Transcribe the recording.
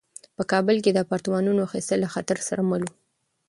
په کابل کې د اپارتمانونو اخیستل له خطر سره مل وو.